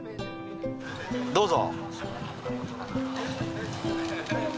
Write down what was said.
どうぞ。